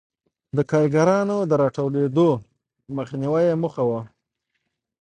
د کارګرانو د راټولېدو مخنیوی یې موخه و.